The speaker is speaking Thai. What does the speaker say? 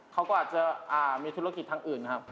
เขาก็อาจจะมีธุรกิจทางอื่นนะครับ